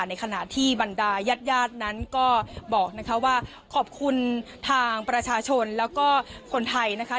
ในขณะที่บรรดายาดนั้นก็บอกนะคะว่าขอบคุณทางประชาชนแล้วก็คนไทยนะคะ